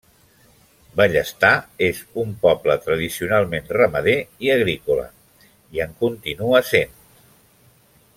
Bellestar és un poble tradicionalment ramader i agrícola, i en continua sent.